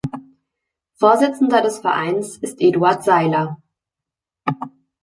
Vorsitzender des Vereins ist Eduard Sailer.